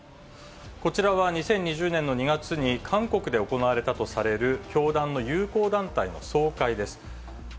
こちらは２０２０年の２月に、韓国で行われたとされる教団の友好団体の総会です。